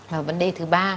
và vấn đề thứ ba